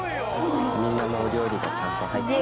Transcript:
みんなのお料理がちゃんと入ってる。